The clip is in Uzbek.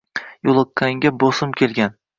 Yo‘liqqanga bosim kelgan